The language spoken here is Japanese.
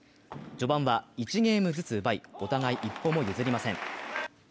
序盤は１ゲームずつ奪い、お互い一歩も譲りません。